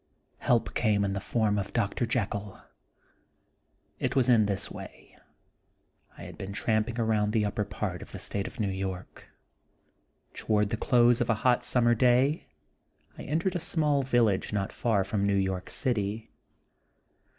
help came in the form of Dr. Jekyll. It was in this way : I had been tramping around the upper part of the State of New York. Toward the close of a hot summer day, I entered a small village not far from New York City.